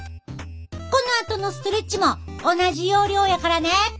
このあとのストレッチも同じ要領やからね。